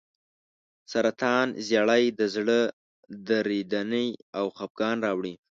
سرطان زیړی د زړه درېدنې او خپګان راوړي.